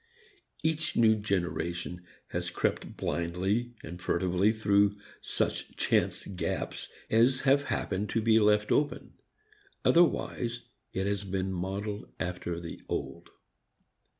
Each new generation has crept blindly and furtively through such chance gaps as have happened to be left open. Otherwise it has been modeled after the old.